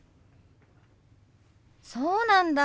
そうなんだ。